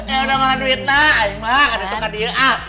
ya udah makan duit nah